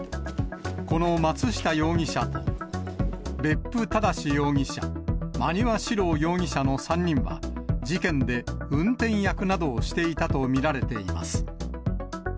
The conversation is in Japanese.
この松下容疑者と、別府正容疑者、馬庭史郎容疑者の３人は、事件で運転役などをしていたと見られています。